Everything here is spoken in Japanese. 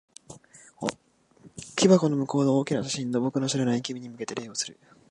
木箱の向こうの大きな写真の、僕の知らない君に向けて礼をする。